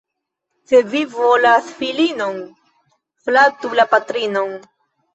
Se vi volas filinon, flatu la patrinon.